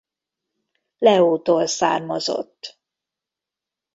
Leótól származott.